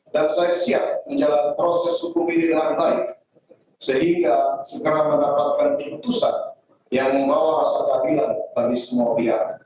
dan saya siap menjalankan proses hukum ini dengan baik sehingga segera mendapatkan keputusan yang membawa rasa keadilan bagi semua pihak